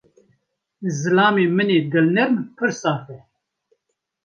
Zilamê min ê dilnerm, pir saf e.